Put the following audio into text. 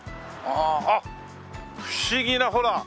あっ不思議なほら。